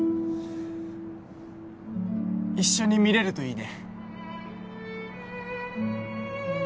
一緒に見れるといいね。